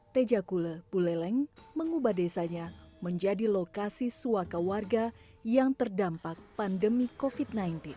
tejakule buleleng mengubah desanya menjadi lokasi suaka warga yang terdampak pandemi covid sembilan belas